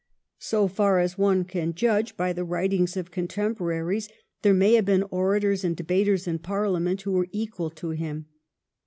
So far as one can judge by the writings of contemporaries there may have been orators and debaters in Parliament who were equal to him.